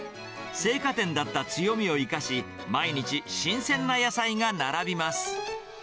青果店だった強みを生かし、毎日、新鮮な野菜が並びます。